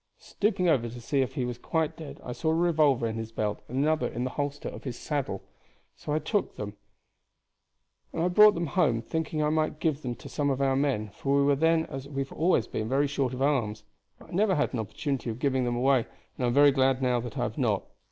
Stooping over to see if he was quite dead I saw a revolver in his belt and another in the holster of his saddle, so I took them out and brought them home, thinking I might give them to some of our men, for we were then, as we have always been, very short of arms; but I never had an opportunity of giving them away, and I am very glad now that I have not.